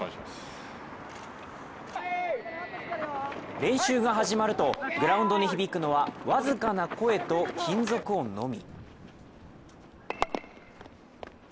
練習が始まるとグラウンドに響くのは僅かな声と金属音のみ。